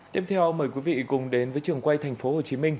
tiếp theo mời quý vị cùng đến với trường quay tp hcm